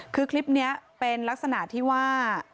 คือคลิปนี้เป็นลักษณะที่ว่า